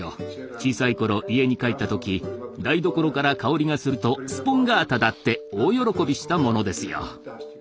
小さいころ家に帰った時台所から香りがすると「スポンガータだ！」って大喜びしたものですよ。